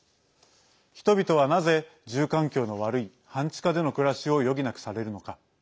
人々は、なぜ住環境の悪い半地下での暮らしを余儀なくされるのか。